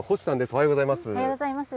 おはようございます。